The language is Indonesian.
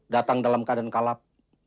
datang dalam keadaan kalap